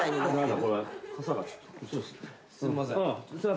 すいません。